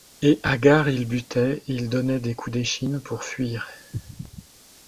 Et, hagard, il butait, il donnait des coups d’échine pour fuir.